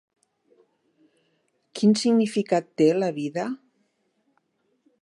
Quin significat té la vida?